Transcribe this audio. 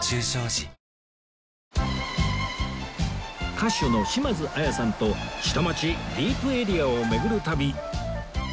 歌手の島津亜矢さんと下町・ディープエリアを巡る旅